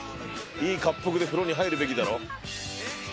いいかっぷくで風呂に入るべきだろ。